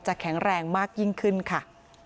แข็งแรงมากยิ่งขึ้นค่ะ